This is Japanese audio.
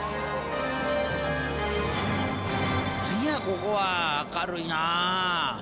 何やここは明るいな。